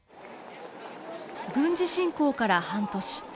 軍事侵攻から半年。